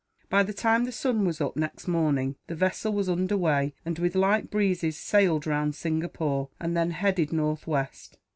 By the time the sun was up, next morning, the vessel was under weigh and, with light breezes, sailed round Singapore, and then headed northwest.